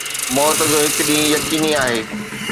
موت جو هڪ ڏينهن يقيني آهي